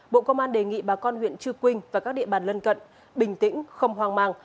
bộ công an đề nghị bà con huyện chư quynh và các địa bàn lân cận bình tĩnh không hoang mang